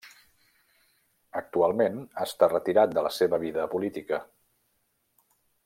Actualment està retirat de la seva vida política.